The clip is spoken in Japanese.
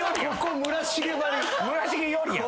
村重よりや。